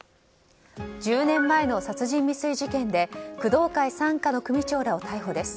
１０年前の殺人未遂事件で工藤会傘下の組長らを逮捕です。